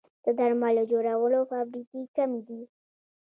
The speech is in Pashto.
د درملو جوړولو فابریکې کمې دي